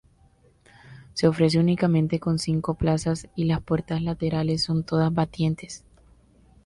Se ofrece únicamente con cinco plazas, y las puertas laterales son todas batientes.